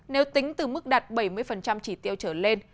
nếu tính từ mức đạt bảy mươi chỉ tiêu trở lên